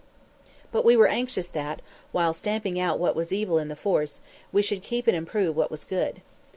But we were anxious that, while stamping out what was evil in the force, we should keep and improve what was good.